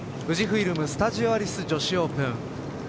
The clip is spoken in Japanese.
富士フイルム・スタジオアリス女子オープン。